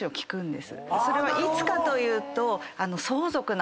それはいつかというと。